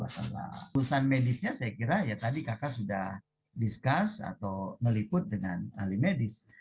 urusan medisnya saya kira ya tadi kakak sudah discuss atau meliput dengan ahli medis